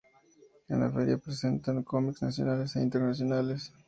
En la feria se presentan comics nacionales e internacionales.